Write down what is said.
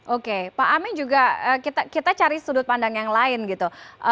oke pak amin juga kita cari sudut pandang yang lain gitu